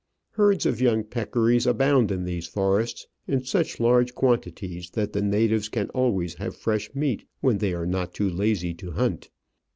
Herds of peccaries abound in these forests, in such large quantities that the natives can always have fresh meat when they are not too lazy to hunt.